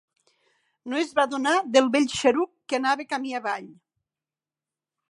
No es va adonar del vell xaruc que anava camí avall